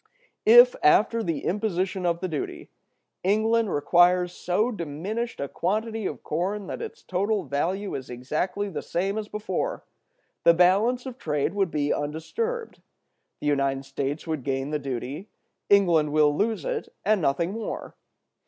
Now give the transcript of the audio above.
If, after the imposition of the duty, England requires so diminished a quantity of corn that its total value is exactly the same as before, the balance of trade would be undisturbed; the United States will gain the duty, England will lose it, and nothing more.